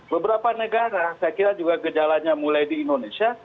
beberapa negara saya kira juga gejalanya mulai di indonesia